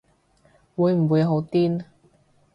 會唔會好癲